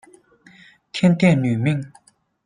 天钿女命。